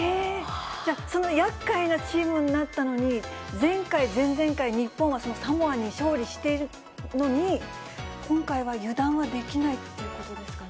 じゃあ、そのやっかいなチームになったのに、前回、前々回、日本はそのサモアに勝利しているのに、今回は油断はできないということですかね。